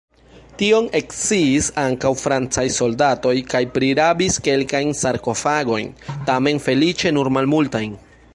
Tion eksciis ankaŭ francaj soldatoj kaj prirabis kelkajn sarkofagojn, tamen feliĉe nur malmultajn.